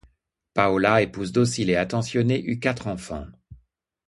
Paola, épouse docile et attentionnée, eut quatre enfants.